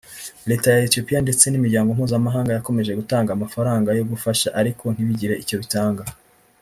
Leta ya Ethiopia ndetse n’Imiryango Mpuzamahanga yakomeje gutanga amafaranga yo gufasha ariko ntibigire icyo bitanga